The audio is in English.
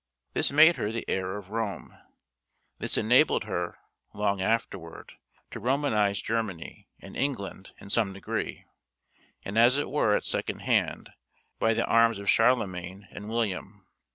This made her the heir of Rome. This enabled her, long afterward, to Romanize Germany and England in some degree, and as it were at second hand, by the arms of Charlemagne and William.